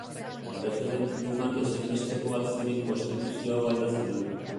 Erreferendumak ezinbestekoak ziren konstituzio hau alda zedin.